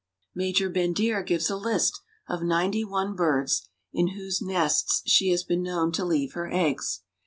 Major Bendire gives a list of ninety one birds in whose nests she has been known to leave her eggs.